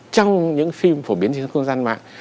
trong những phim phổ biến trên không gian mạng